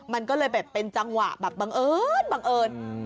มันก็เลยแบบเป็นจังหวะแบบบังเอิญบังเอิญ